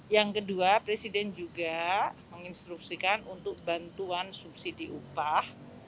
yang kedua presiden juga menginstruksikan untuk bantuan subsidi upah